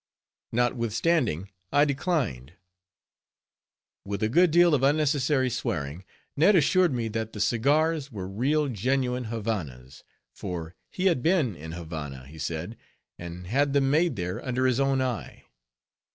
Notwithstanding I declined; with a good deal of unnecessary swearing, Ned assured me that the cigars were real genuine Havannas; for he had been in Havanna, he said, and had them made there under his own eye.